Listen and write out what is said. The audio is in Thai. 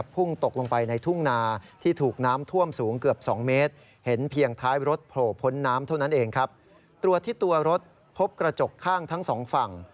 ผลน้ำเท่านั้นเองตรวจที่ตัวรถพบกระจกข้างทั้งสองฝั่ง